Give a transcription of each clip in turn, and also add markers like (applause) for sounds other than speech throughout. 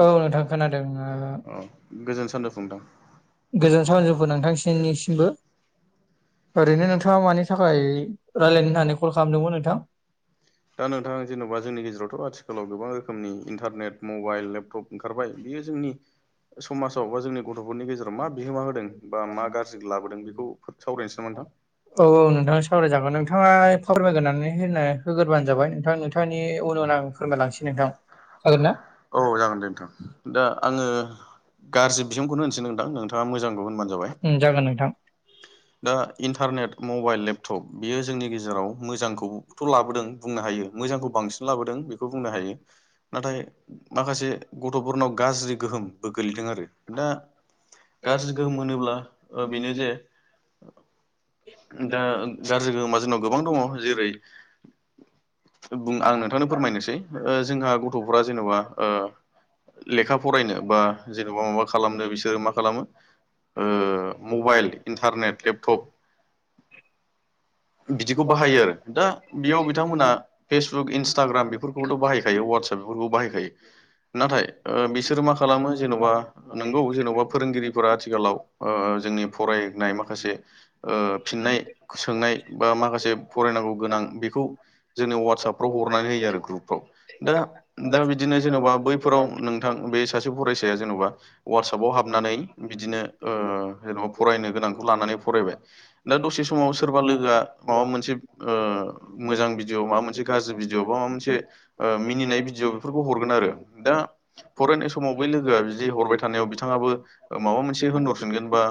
औ नोंथां खोनादों ओ। औ गोजोन सानजौफु नोंथां गोजोन सावनजौफु नोंथांसिनिसिमबो। ओरैनो नोंथाङा मानि थाखाय रायजलायनो होननानै कल खालामदोंमोन नोंथां? दा नोंथां जेन'बा जोंनि गेजेरावथ' आथिखालाव गोबां रोखोमनि इन्टारनेट मबाइल लेपटप ओंखारबाय बियो जोंनि समाजाव बा जोंनि गथ'फोरनि गेजेराव मा बिहोमा होदों बा मा गाज्रि लाबोदों बेखौ सावरायनोसै नामा नोंथां? औ औ नोंथाङा सावरायजागोन नोंथाङा फारमायग्रोनानै होनो होग्रोबानो जाबाय नोंथां नों नोंथांनि उन उन आं फोरमायलांसै नोंथां जागोन ना? औ नोंथां जागोन दे नोंथां दा आङो गाज्रि बिहूंखौनोश्रहोनसै नोंथां नोंथाङा मोजांखौ होनबानो जाबाय। उम जागोन नोंथां। दा इन्टारनेट मबाइल लेपटप बियो जोंनि गेजेराव मोजांखौथ' लाबोदों। बुंनो हायो मोजांखौ बांसिन लाबोदों बेखौ बुंनो हायो। नाथाय माखासे गथ'फोरनाव गाज्रि गोहोमबो गोलैदों आरो दा गाज्रि गोहोम मोनोब्ला ओ बेनो जे दा गाज्रि गो मा जोंनाव गोबां दङ जेरै बुं आं नोंथांनो फोरमायनोसै ओ जोंहा गथ'फोरा जेन'बा ओ लेखा फरायनो बा जेन'बा माबा खालामनो बिसोरो मा खालामो ओ मबाइल इन्टारनेट लेपटप बिदिखौ बाहायो आरो दा बेयाव बिथांमोना फेसबुक इन्सटाग्राम बेफोरखौबोथ' बाहायखायो वाट्सएप बेफोरखौबो बाहायखायो। नाथाय ओ बिसोरो मा खालामो जेन'बा नोंगौ जेन'बा फोरोंगिरिफोरा आथिखालाव जोंनि फरायनाय मा खासे ओ फिननाय सोंनाय बा माखासे फरायनांगौ गोनां बेखौ जोंनोो वा्सएपफ्राव हरनानै होयो आरो ग्रुपफ्राव। दा दा बिदिनो जेन'बा बैफोराव नोंथां बे सासे फरायसाया जेन'बा वाट्सपाव हाबनानै बिदिनो ओ जेन'बा फरायनो गोनांखौ लानानै फरायबाय दा दसे समाव सोरबा लोगोआ माबा मोनसे ओ मोजां भिडिअ' माबा मोनसे गाज्रि भिडिअ' बा माबा मोनसे ओ मिनिनाय भिडिय' बेफोरखौ हरगोन आरो दा फरायनाय समाव बै लोगोआ बिदि हरबाय थानायाव बिथाङाबो माबा मोनसे होनहरफिनगोनबा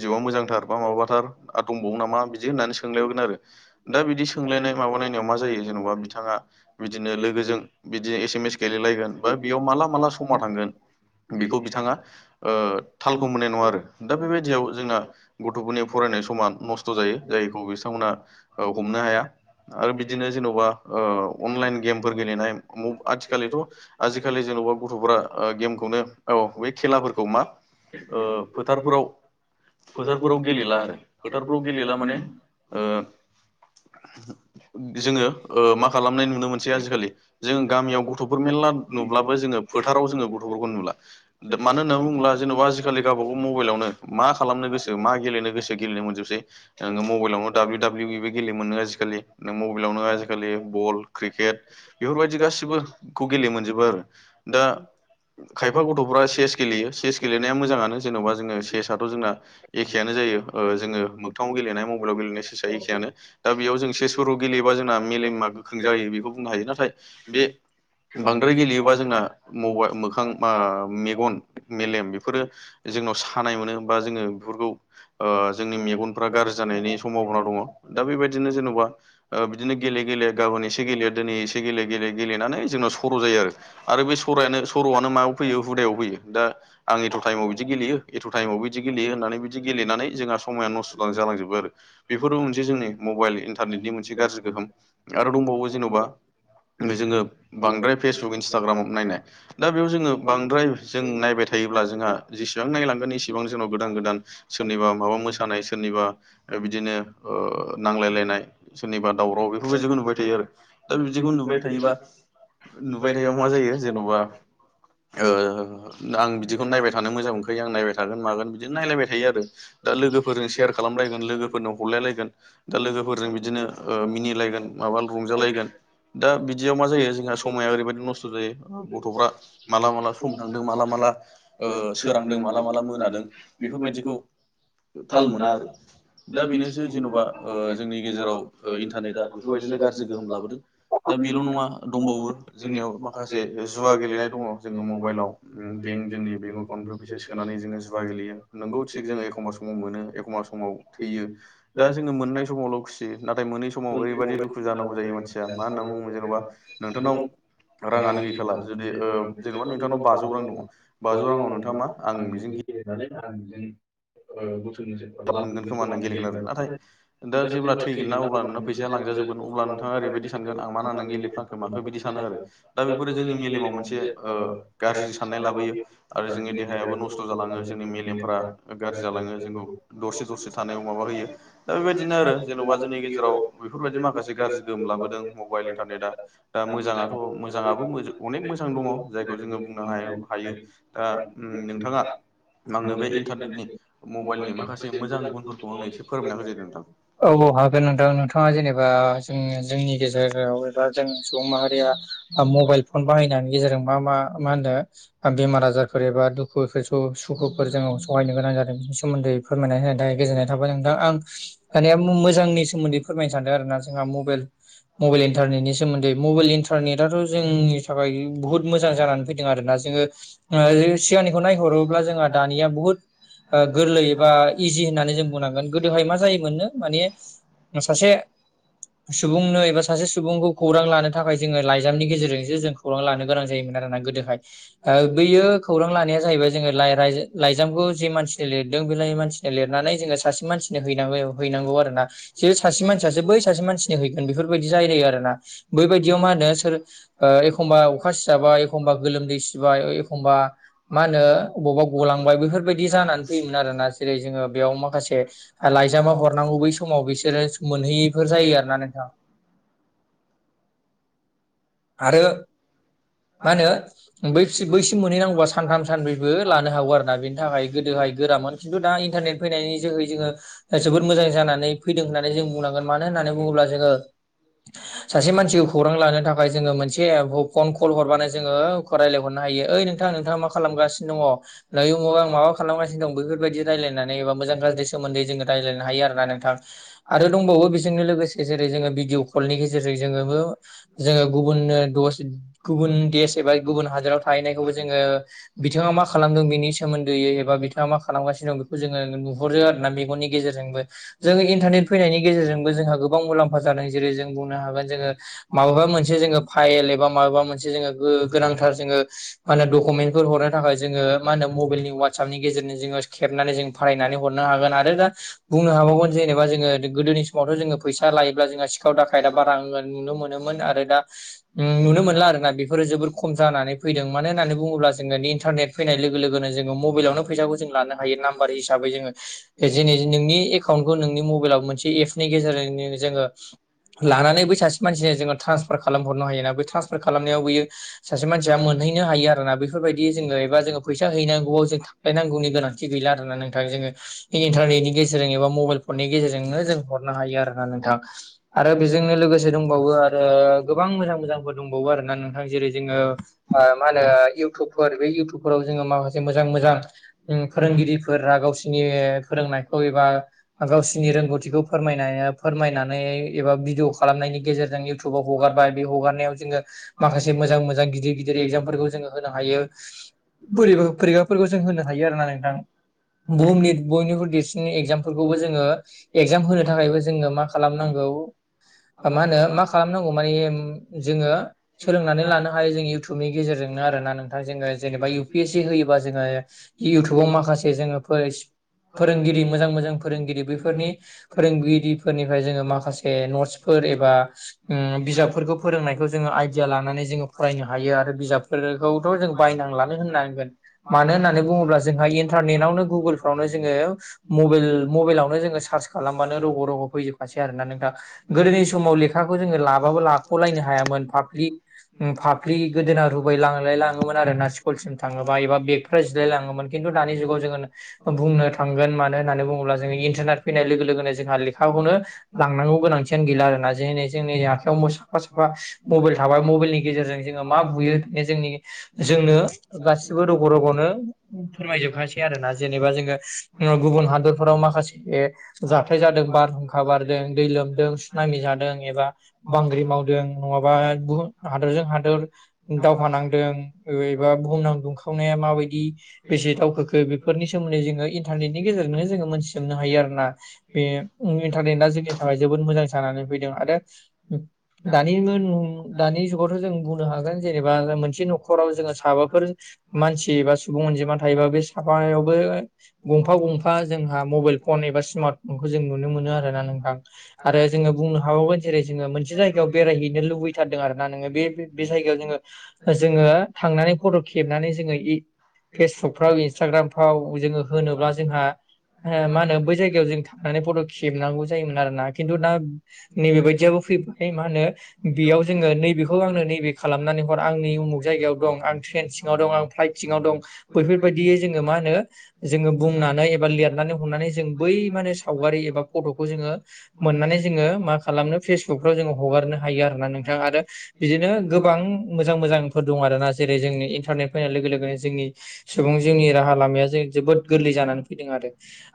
बिदिअ। आ मोजांथार बा माबाथार दंबावो नामा बिदि होननानै सोंलायहरगोन आरो दा बिदि सोंलायनाय माबालायनायाव मा जायो जेन'बा बिथाङा बिदिनो लोगोजों बिदिनो एस एम एस गेलेलायगोन बा बेयाव माला माला समा थांगोन बेखौ बिथाङा ओ थालखौ मोननाय नङा आरो दा बेबायदियाव जोंना गथ'फोरनि फरायनाय समा नस्थ' जायो जायखौ बिथांमोना ओ हमनो हाया। आरो बिदिनो जेन'बा ओ अनलाइन गेमफोर गेलेनाय (unintelligible) आथिखाललिथ' आजिखालि जेन'बा गथ'फोरा ओ गेमखौनो औ बै खेलाफोरखौ मा ओ फोथारफोराव फोथारफोराव गेलेला आरो फोथारफ्राव गेलेला माने जोङो ओ मा खालामनाय नुनो मोनसै आजिखालि जों गामियाव गथ'फोर मेरला नुब्लाबो जोङो फोथाराव जोङो गथ'फोरखौ नुला। मानो होनना बुङोब्ला जेनेबा आजिखालि गबाागाव मबाइलावनो मा खालामनो गोसो मा गेलेनो गोसो गेलेनो मोनजोबसै नोङो मबाइलावनो दाब्लिउ दाब्लिउ इबो गेलेनो मोनो आजिखालि नों मबाइल नो आजिखालि बल क्रिकेट बेफोरबायदि गाससिबोखौ गेले मोनजोबो आरो दा खायफा गथ'फ्रा चेस गेलेयो चेस गेलेनाया मोजाङानो जेन'बा जोङो सेसाथ' जोंना एखेयानो जायो जोङो मोगथाङाव गेलेनाय मबाइलाव गेलेनाय सेसआ एखेयानो दा बेयाव जों सेसफोरखौ गेलेयोबा जोंना मेलेमा गोख्रों जायो बेखौ बुंनो हायो नाथाय बे बांद्राय गेलेयोबा जोंना मबाइ मोखां मेगन मेलेम बेफोरो जोंनाव खानाय मोनो बा जोङो बेफोरखौ जोंनि मेगनफोरा गाज्रि जानायनि सम्भना दङ दा बेबायदि बिदिनो जेन'बा बिदिनो गेले गेले गाबोन एसे गेलेयो दिनै एसे गेले गेले गेलेनानै जोंनाव सर' जायो आरो आरो बे सरायानो सर'आनो माबायाव फैयो हुदायाव फैयो दा आंनिथ' टाइमाव बिदि गेलेयो एथ' टाइमाव बिदि गेलेयो होननानै बिदि गेलेनानै जोंहा समाया नस्थ' जालांजोबो आरो बेफोरबो मोनसे जोंनि मबाइल इन्टारनेटनि मोनसे गाज्रि गोहोम आरो दंबावो जेन'बा जोङो बांद्राय फेसबुक इन्सटाग्राम नायनाय दा बेयाव जोङो बांद्राय जों नायबाय थायोब्ला जोंहा जेसेबां नायलां एसेबां जोंनाव गोदान गोदान सोरनिबा माबा मोसानाय सोरनिबा बिदिनो नांलायलायनाय सोरनिबा दावराव बेफोरबायदिखौ नुबाय थायो आरो दा बिदिखौ नुबाय थायोबा नुबाय थायोबा मा जायो जेन'बा आं बिदिखौ नायबाय थानो मोजां मोनखायो आं नायबाय थागोन मागोन बिदिनो नायलायबाय थायो आरो दा लोगोफोरजों सेयार खालामलायगोन लोगोफोरनो हरलाय लायगोन दा लोगोफोरजों बिदिनो मिनिलायगोन माबा रंजालायगोन दा बिदियाव मा जायो जोंहा समाया ओरैबायदि नस्थ' जायो गथ'फ्रा माला माला सम थांदों माला माला सोरांदों माला माला मोनादों बेफोरबायदिखौ थाल मोना आरो दा बेनोसै जेन'बा जोंनि गेजेराव इन्टारनेटआ बेफोरबायदिनो गाज्रि गोहोम लाबोदों दा बेल' नङा दंबावो जोंनियाव माखासे जुवा गेलेनाय दङ जोङो मबाइलाव बेंक जोंनि बेंक एकाउन्टनि फैसा सोनानै जोङो जुवा गोलैयो नोंगौ थिग जोङो एखम्ब समाव मोनो एखमबा समाव थैयो दा जोङो मोननाय समावल' खुसि नाथाय मोनै सम समाव ओरैबायाददि दुखु जानांगौ जायो मानसिया मा होनना बुङो जेन'बा नोंथांनाव राङानो गैखाला जुदि जेनेबा नोंथांनाव बाजौ रां दङ बाजौ राङाव नोंथाङा मा आं बिजों (unintelligible) लाब मोनगोन खोमा होननानै लाबुफिनगोन गेलेगोन आरो नाथाय दा जेब्ला होनना थैगोन ना अब्ला नोंना फैसाया लांजाजोबगोन (unintelligible) अब्ला नोंथाङा ओरैबायदि सानगोन आं मा नांनानै थैगोना गेलेफ्लांखो माखो बिदि सानो आरो (unintelligible) दा बेफोरो जोंनि मेलेमाव मोनसे ओ गाज्रि साननाय लाबोयो आरो जोंनि देहायाबो नस्थ' जालाङो जोंनि मेलेमफोरा गाज्रि जालाङो जानानै जोंखौ दरसे दरसे थानायाव माबा होयो दा बेबायदिनो आरो जेन'बा जोंनि (unintelligible) गेजेराव बेफोरबायदि माखासे गाज्रि गोहोम लाबोदों मबाइल इन्टारनेटआ दा मोजाङाथ' मोजाङाबो अनेक मोजां दङ जायखौ जोङो बुंनो हायो हायो दा नोंथाङा आंनो बे इन्टारनेटनि मबाइलनि माखासे औ मोजां गुनफोरखौ आंनो एसे फोरमायना होदो नोंथां औ नोंथां नोंथाङा जेनेबा जों जोंनि गेजेराव एबा जों सुबुं माहारिया मबाइल फन बाहायनायनि गेजेरजों मा मा मा होनदों बेमार आजारफोर एबा दुखु- सुखु सुखुफोर जोङो सहायनो गोनां जादों बिनि सोमोन्दै फोरमायना होनायनि थाखाय गोजोननाय थाबाय नोंथां आं दानिया मोजांनि सोमोन्दै फोरमायनो सानदों आरोना जोंहा मबाइल मबाइल इन्टारनेटनि सोमोन्दै मबाइल इन्टारनेटथ' जोंनि थाखाय बुहुत मोजां जानानै फैदों आरोना जोङो सिगांनिखौ नायहरोब्ला जोंहा दानिया बुहुत गोरलै एबा इजि होननानै जों बुंनांगोन गोदोहाय मा जायोमोननो माने सासे सुबुंनो एबा सासे सुबुंखौ खौरां लानो थाखाय जोङो लाइजामनि गेजेरजोंसो जों खौरां लानो गोनां जायोमोन आरोना गोदोहाय बैयो खौरां लानाया जाहैबाय जोङो रायलाय लाइजामखौ जे मानसिनो लिरदों बेलाय मानसिनो लिरनानै जोङो सासे मानसि हैगौ हैनांगौ आरो ना जे सासे मानसियासो बै सासे मानसिनि हैगोन बेफोरबायदि (unintelligible) आरो ना बैबायदियाव मा होनो सोर एखमबा अखा सिजाबाय एखमबा गोलोमदै सिबाय एखमबा मा होनो? अबावबा गलांबाय बेफोरबायदि जानानै फैयोमोन आरोना जेरै जोङो बेयाव माखासे लाइजामा हरनांगौ बै समाव बिसोरो मोनहैयैफोर जायो आरो ना नोंथा। आरो मा होनो बै-बैसिम मोनहैनांगौबा सानथाम सानब्रैबो लानो हागौ आरोना बेनि थाखाय गोदोहाय गोरामोन खिन्थु दा इन्टारनेट फैनायनि जोहै जोङो जोबोद मोजां जानानै फैदों होननानै जों बुंनां गोन मानो होननानै बुङोब्ला जोङो सासे मानसिखौ खौरां लानो थाखाय (unintelligible) जोङो मोनसे फन कल हरबानो जोङो रायलायहरनो हायो ओइ नोंथां नोंथाङा मा खालामगासिनो दङ? दायो औ आं माबा खालामगासिनो दं बैफोरबायदि रायल्लायनानै एबा मोजां गाज्रि सोमोन्दै जोङो रायज्लायनो हायो आरोना नोंथां। आरो दंबावो बेजोंनो लोगोसे जेरै जोङो भिडिअ' कलनि गेजेरजों जोङोबो जोङो गुबुन (unintelligible) गुबुन देश एबा गुबुन हादोराव थाहैनायखौबो जोङो बिथाङा मा खालामदों बिनि सोमोन्दोयै एबा बिथाङा मा खालामगासिनो दं बेखौ जोङो नुहरो आरो ना मेगननि गेजेरजोंबो। जोङो इन्टारनेट फैनायनि गेजेरजोंबो जोंहा गोबां मुलाम्फा जादों जेरै जों बुंनो हागोन जोङो माबेबा मोनसे जोङो फाइल एबा माबेबा मोनसे जोङो गोनांथार जोङो मा होनो डकुमेन्टफोर हरनो थाखाय जोङो मा होनो मबाइल नि वाट्सापनि गेजेरजों जोङो खेबनानै जों फाथायनानै हरनो हागोन आरो दा बुंनो हाबावगोन जेनेबा जोङो गोदोनि समावथ' जोङो फैसा लायोब्ला जोंहा सिखाव दाखायदा बारा रां नुनो मोनोमोन। मोन आरो दा नुनो मोनला आरो ना बेफोरो जोबोर खम जानानै फैदों मानो होननानै बुङोब्ला जोङो इन्टारनेट फैनाय लोगो लोगोनो जोङो मबाइलावनो फैसाखौ जों लानो हायो नाम्बार हिसाबै जोङो जेनि जे नोंनि एकाउन्टखौ नोंनि मबाइलाव मोनसे एपनि गेजेरजों जोङो लानानै बै सासे मानसिनो जोङो ट्रान्सफार खालाम हरनो हायो ना। बे ट्रान्सफार खालामनायाव बैयो सासे मानसिया मोनहैनो हायो आरोना बेफोरबायदि जोङो एबा जोङो फैसा हैनांगौवा जों नांगौनि गोनांथि गैला आरोना नोंथां जोङो इन्टारनेटनि गेजेरजों एबा मबाइल फननि गेजेरजोंनो जों हरनो (unintelligible) हायो आरोना नोंथां आरो बेजोंनो लोगोसे दंबावो आरो गोबां मोजां मोजां (unintelligible) दंबावो आरोना नोंथां जेरै जोङो ओ मा होनो इउटुबफोर बे इउटुबफोराव जोङो माखासे मोजां मोजां ओं फोरोंगिरिफोरा गावसिनि फोरोंनायखौ एबा गावसिनि रोंगौथिखौ फोरमायनाया फोरमायनानै एबा भिडिअ' खालामनायनि गेजेरजों इउटुबाव हगारबाय बे हगारनायाव जोङो माखासे मोजां मोजां गिदिर गिदिर एगजामफोरखौ जोङो होनो हायो। बोरैबा फोरेखाफोरखौ जों होनो हायो आरो ना नोंथां। बुहुमनि बयनिखुइ देरसिन एग्जामफोरखौबो जोङो एगजाम होनो थाखायबो जोङो मा खालामनांगौ? (unintelligible) नांगौ माने जोङो सोलोंनानै लानो हायो जों इउटुबनि गेजेरजोंनो आरो ना नोंथां जोङो जेनेबा इउ ए पि एस सि होयोबा जोङो इउटुबाव माखासे जोङो (unintelligible) फोरोंगिरि मोजां मोजां फोरोंगिरि बैफोरनि फोरोंगिरिफोरनिफ्राय जोङो माखासे नट्स फोर एबा उम (unintelligible) फोरोंनायखौ जोङो आइडिया लानानै जोङो फरायनो हायो आरो बिजाबफोरखौथ' जों बायनांलानो होननांगोन। मानो होननानै बुङोब्ला जोंहा इन्टारनेटावनो गुगोलफ्रावनो जोङो मबेइल मबेइलावनो जोङो सार्च खालामबानो रग' रग' फैजोबखासै आरोना नोंथां गोदोनि समाव लेखाखौ जोङो लाबाबो ला लाख'लायनो हायामोन फाफ्लि उम फाफ्लि गोदोना रुबायला लांलाय लाङोमोन आरोना सिम थाङोबा एबा बेगफ्रा जिराय लाङोमोन खिन्थु दानि जुगाव जोङो बुंनो थांगोन मानो होननानै बुङोब्ला इन्टारनेट फैनाय लोगो लोगोनो जोंहा लेखाखौनो लांनांगौ गोनांथियानो गैला आरोना जेनि जोंनि आंनि आखायाव (unintelligible) साफा साफा मबेइल थाबाय मबाइलनि गेजेरजों जोङो मा बुयो मे जोंनि जोंनो गासिबो रग' रग'नो फोरमायजोबखासै आरो ना जेनेबा जोङो ओ गुबुन हादरफोराव माखासे ए जाथाय जादों बारहुंखा बारदों दै लोमदों सुनाामि जादों एबा बांग्रि मावदों, नङाबा गुबुन हादोरजों हादोर दावहा नांदों अबेबा बुहुमनां दंखा खावनाया माबायदि बेसे दावखोखो बेफोरनि सोमोन्दै जोङो इन्टारनेटनि गेजेरजोंनो जोङो मोनथिजोबनो हायो आरो ना। बे इन्टारनेटआ जोंनि थाखाय जोबोद मोजां जानानै फैदों। आरो दानि ङोनों दानि जुगावथ' जों बुंनो हागोन जेनेबा मोनसे न'खराव जोङो साबाफोर मानसि बा सुबुं अनजिमा थायोबा बे साबायावबो गंफा गंफा जोंहा मबेइल फन एबा स्मार्ट फनखौ जों नुनो मोनो आरोना नोंथां। आरो जोङो बुंनो हाबावगोन जेरै जोङो मोनसे जायगायाव बेरायहैनो लुबैथारदों आरो ना नोङो। बे बे जायगायाव जोङो जोङो थांनानै फट' खेबनानै जोङो इ फेसबुकफ्राव इन्सटाग्रामफ्राव जोङो होनोब्ला जोंहा हो मा होनो बै जायगायाव जों थांनानै फट' खेबनांगौ जायोमोन आरो ना। खिन्थु दा नै बेबादियाबो फैबा य मा होनो बेयाव जोङो नैबेखौ आंनो नैबे खालामनानै हर आं नै उमुख जायगायाव दं आं ट्रेन सि ङाव दं आं प्लाइट सिङाव दं। बैफोरबायदियै जोङो मा होनो जोङो बुंनानै एबा लिरनानै हरनानै जों बै माने सावगारि एबा फट'खौ जोङो मोननानै जोङो मा खालामनो फेसबुक फ्राव जोङो हगारनो हायो आरोना नोंथां। आरो बिदिनो गोबां मोजां मोजां फोर दं आरो ना जेरै जोंनि इन्टारनेट फैनाय लोगो लोगोनो जोंनि सुबुं जिउनि राहा लामाया जों जोबोद गोरलै जानानै फैदों आरो।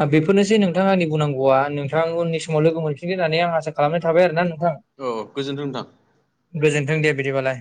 आ बेफोरनोसै नोंथाङां बुंनांगौआ नोंथां उननि समाव लोगो मोनफिनगोन होननानै आं आसा खालामनाय थाबाय आरो नोंथां। औ गोजोन्थों नोंथां। गोजोन्थों दे बिदिबालाय।